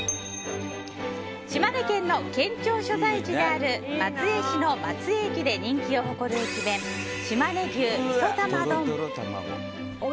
島根県の県庁所在地である松江市の松江駅で人気を誇る駅弁島根牛みそ玉丼。